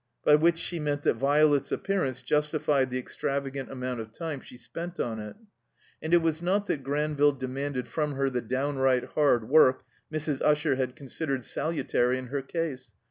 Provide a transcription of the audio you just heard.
By which she meant that Violet's appearance justified the extravagant amovint of time she spent on it. And it was not that Granville demanded from her the downright hard work Mrs. Usher had considered salutary in her case.